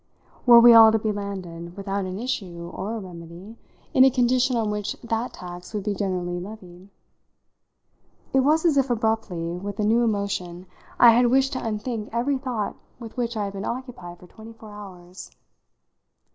Were we all to be landed, without an issue or a remedy, in a condition on which that tax would be generally levied? It was as if, abruptly, with a new emotion, I had wished to unthink every thought with which I had been occupied for twenty four hours.